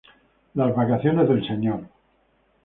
Las vacaciones de Mr.